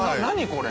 これ。